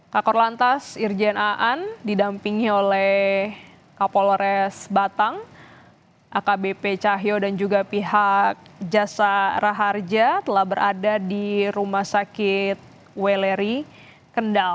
kakor lantas irjen aan didampingi oleh kapolres batang akbp cahyo dan juga pihak jasa raharja telah berada di rumah sakit weleri kendal